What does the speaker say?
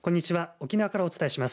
沖縄からお伝えします。